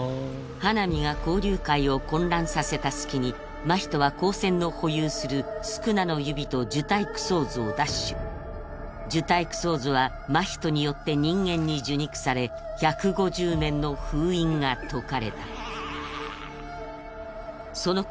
花御が交流会を混乱させた隙に真人は高専の保有する宿儺の指と呪胎九相図を奪取呪胎九相図は真人によって人間に受肉され１５０年の封印が解かれたそのころ